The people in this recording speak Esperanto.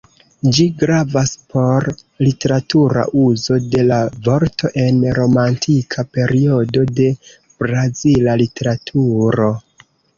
Ĝi gravas por literatura uzo de la vorto en romantika periodo de brazila literaturo.